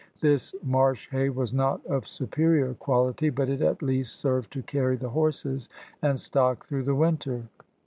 This marsh hay was not of superior quality, but it at least served to carry the horses and stock through the winter.